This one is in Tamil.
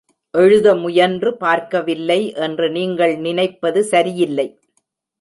எழுத முயன்று பார்க்கவில்லை என்று நீங்கள் நினைப்பது சரியில்லை.